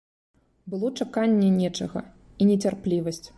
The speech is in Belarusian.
Было чаканне нечага і нецярплівасць.